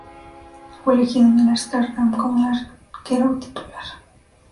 Fue elegido en el All-Star Game como el arquero titular.